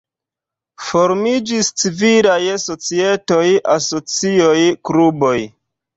Formiĝis civilaj societoj, asocioj, kluboj.